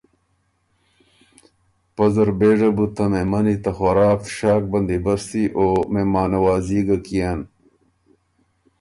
پۀ زر بېژه بُو ته مهمنی ته خوراک تشاک بندیبستی او مهمانوازي ګه کيېن۔